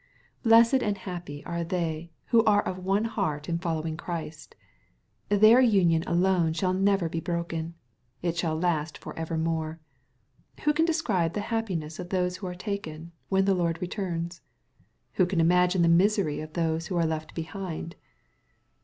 Blessed and happy are they who are of one heart in following Christ I Their union alone shall never be broken. It shall last for evermore. Who can describe the happiness of those who are taken, when the Lord returns ? Who can imagine the misery of those who are left behind